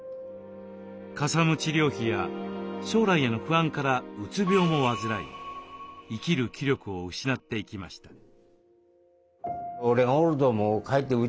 かさむ治療費や将来への不安からうつ病も患い生きる気力を失っていきました。